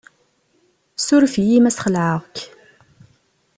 Suref-iyi ma ssxelεeɣ-k.